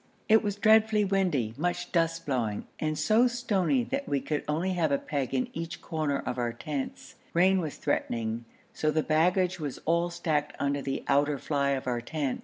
It was dreadfully windy, much dust blowing, and so stony that we could only have a peg in each corner of our tents. Rain was threatening, so the baggage was all stacked under the outer fly of our tent.